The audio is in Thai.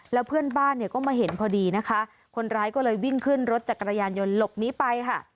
แล้วเพื่อนบ้านเนี่ยก็มาเห็นพอดีนะคะคนร้ายก็เลยวิ่งขึ้นรถจักรยานยนต์หลบหนีไปค่ะ